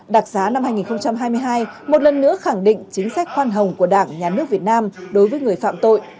đặc giá năm hai nghìn hai mươi hai một lần nữa khẳng định chính sách khoan hồng của đảng nhà nước việt nam đối với người phạm tội